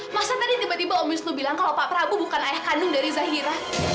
masa tadi tiba tiba om wisnu bilang kalau pak prabu bukan ayah kandung dari zahira